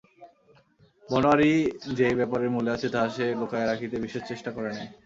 বনোয়ারি যে এই ব্যাপারের মূলে আছে তাহা সে লুকাইয়া রাখিতে বিশেষ চেষ্টা করে নাই।